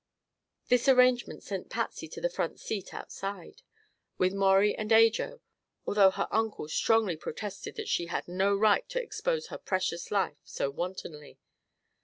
This arrangement sent Patsy to the front seat outside, with Maurie and Ajo, although her uncle strongly protested that she had no right to expose her precious life so wantonly.